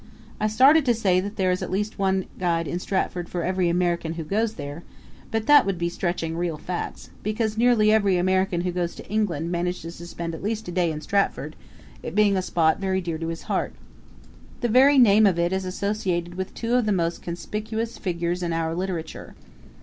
I started to say that there is at least one guide in Stratford for every American who goes there; but that would be stretching real facts, because nearly every American who goes to England manages to spend at least a day in Stratford, it being a spot very dear to his heart. The very name of it is associated with two of the most conspicuous figures in our literature.